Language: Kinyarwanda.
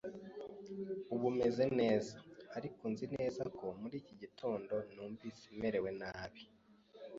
Ubu meze neza, ariko nzi neza ko muri iki gitondo numvise merewe nabi.